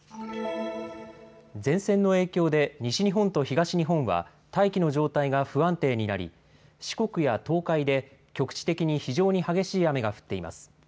前線の影響で西日本と東日本は大気の状態が不安定になり四国や東海で局地的に非常に激しい雨が降っています。